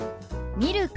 「ミルク」。